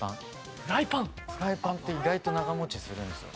フライパンって意外と長持ちするんですよ。